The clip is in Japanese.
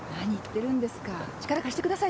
力貸してください。